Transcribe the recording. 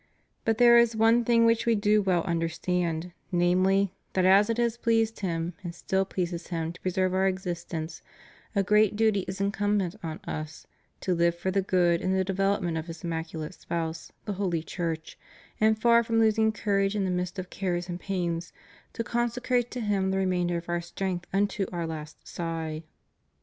But there is one thing which We do well understand ; namely, that as it has pleased Him, and still pleases Him, to preserve Our existence, a great duty is incumbent on Us — to live for the good and the development of His immaculate spouse, the holy Church; and far from losing courage in the midst of cares and pains, to consecrate to Him the remainder of Our strength unto Our last sigh.